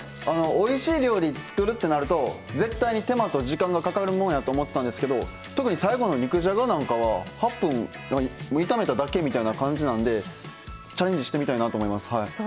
おいしい料理作るってなると絶対に手間と時間がかかるもんやと思ってたんですけど特に最後の肉じゃがなんかは８分煮ただけみたいな感じなんでチャレンジしてみたいなと思います。